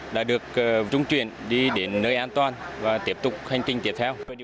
đã được trung chuyển đi đến nơi an toàn và tiếp tục hành trình tiếp theo